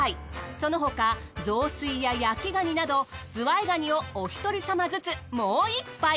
その他雑炊や焼きガニなどズワイガニをおひとり様ずつもう１杯！